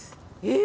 え！